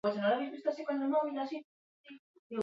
Glukosa eta sakarosa hartzitzen dituzte.